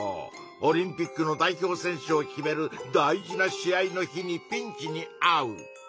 オリンピックの代表選手を決める大事な試合の日にピンチにあう。